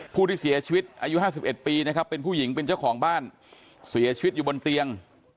ผู้ที่เสียชีวิตอายุ๕๑ปีนะครับเป็นผู้หญิงเป็นเจ้าของบ้านเสียชีวิตอยู่บนเตียง